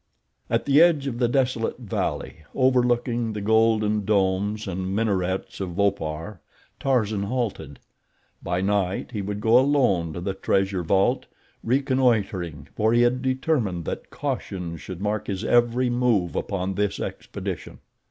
At the edge of the desolate valley, overlooking the golden domes and minarets of Opar, Tarzan halted. By night he would go alone to the treasure vault, reconnoitering, for he had determined that caution should mark his every move upon this expedition.